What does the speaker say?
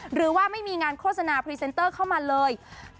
หรือว่าไม่มีงานโฆษณาพรีเซนเตอร์เข้ามาเลย